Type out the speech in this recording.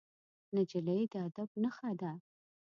نجلۍ د ادب نښه ده.